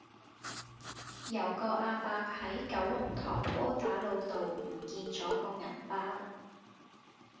有個亞伯喺九龍塘窩打老道唔見左個銀包